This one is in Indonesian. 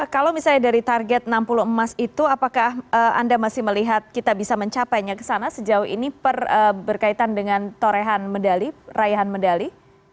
kalau misalnya dari target enam puluh emas itu apakah anda masih melihat kita bisa mencapainya ke sana sejauh ini berkaitan dengan torehan medali raihan medali